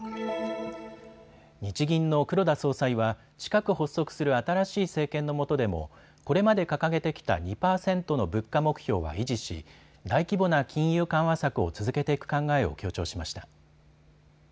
日銀の黒田総裁は近く発足する新しい政権のもとでもこれまで掲げてきた２％の物価目標は維持し大規模な金融緩和策を続けていく考えを強調しました。